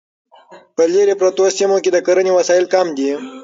په لیرې پرتو سیمو کې د کرنې وسایل کم دي.